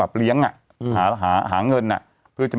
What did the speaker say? สวัสดีครับคุณผู้ชม